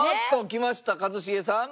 きました一茂さん。